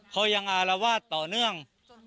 เขายังอารวาสต่อเนื่อง